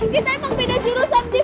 kita emang beda jurusan tim